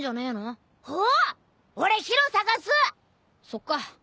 そっか。